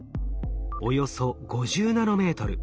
およそ５０ナノメートル。